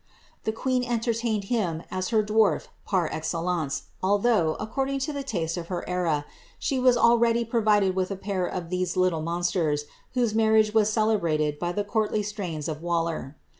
The queen entertained him as her dwarf par excellence^ allh according to the taste of her era, she was already provided with a of these little monsters, whose marriage was celebrated by the courtta strains of Waller.